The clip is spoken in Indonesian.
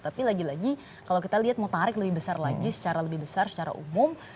tapi lagi lagi kalau kita lihat mau tarik lebih besar lagi secara lebih besar secara umum